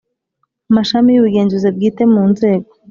Mashami y ubugenzuzi bwite mu nzego